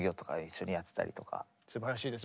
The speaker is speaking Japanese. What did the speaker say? すばらしいです。